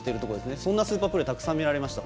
そんなスーパープレーたくさん見られました。